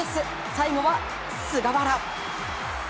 最後は、菅原！